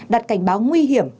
đặt cảnh báo nguy hiểm